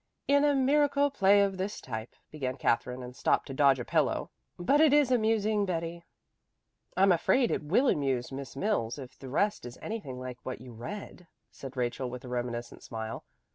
"In a Miracle play of this type " began Katherine, and stopped to dodge a pillow. "But it is amusing, Betty." "I'm afraid it will amuse Miss Mills, if the rest is anything like what you read," said Rachel with a reminiscent smile.